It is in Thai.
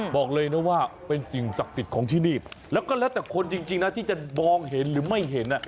บอกเลยนะว่าเป็นสิ่งศักดิ์สิทธิ์ของที่นี่แล้วก็แล้วแต่คนจริงนะที่จะมองเห็นหรือไม่เห็น